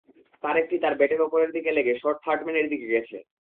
তার একটি তাঁর ব্যাটের ওপরের দিকে লেগে শর্ট থার্ডম্যানের দিকে গেছে।